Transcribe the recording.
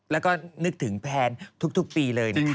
แล้วก็นึกถึงแพลนทุกปีเลยนะคะ